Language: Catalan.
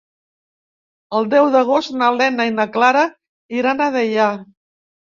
El deu d'agost na Lena i na Clara iran a Deià.